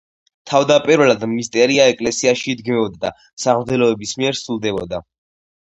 თავდაპირველად მისტერია ეკლესიაში იდგმებოდა და სამღვდელოების მიერ სრულდებოდა.